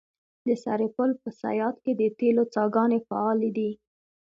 د سرپل په صیاد کې د تیلو څاګانې فعالې دي.